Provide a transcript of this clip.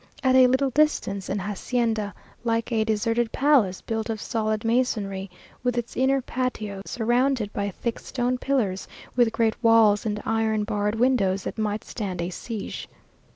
At a little distance an hacienda, like a deserted palace, built of solid masonry, with its inner patio surrounded by thick stone pillars, with great walls and iron barred windows that might stand a siege.